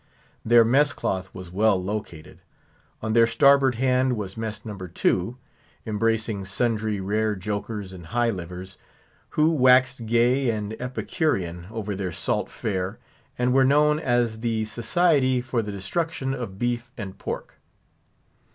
Their mess cloth was well located. On their starboard hand was Mess No. 2, embracing sundry rare jokers and high livers, who waxed gay and epicurean over their salt fare, and were known as the "Society for the Destruction of Beef and Pork."